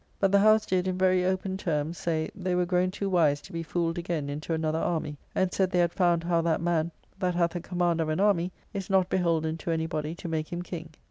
But the House did, in very open terms, say, they were grown too wise to be fooled again into another army; and said they had found how that man that hath the command of an army is not beholden to any body to make him King.